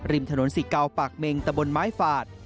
ริมถนนศิกาวปากเมงตะบนไม้ฝาด